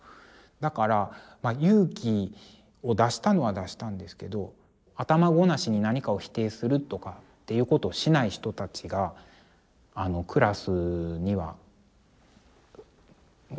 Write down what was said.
だから勇気を出したのは出したんですけど頭ごなしに何かを否定するとかっていうことをしない人たちがクラスにはみんなそうだったので。